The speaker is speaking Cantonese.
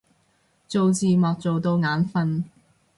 做字幕做到眼憤